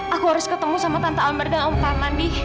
aku harus ketemu sama tante almer dan om parman bi